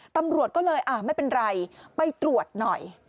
ตำรวจก็เลยไม่เป็นไรไปตรวจหน่อย